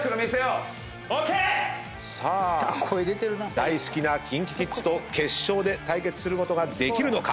大好きなＫｉｎＫｉＫｉｄｓと決勝で対決することができるのか？